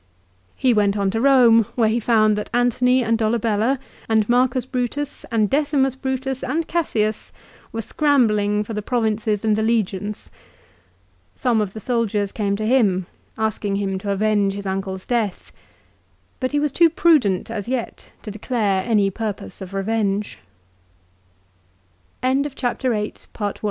He went on to Eome where he found that Antony and Dolabella and Marcus Brutus and Decimus Brutus and Cassius were scrambling for the provinces and the legions. Some of the soldiers came to him, asking him to avenge his uncle's death ; but he was too prudent as yet to decl